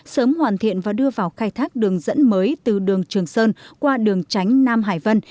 sớm hoàn thiện và đưa vào khai thác đường dẫn mới từ đường trường sơn qua đường tránh nam hải vân